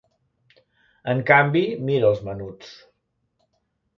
"En canvi, mira els menuts.